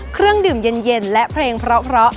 เครื่องดื่มเย็นและเพลงเพราะ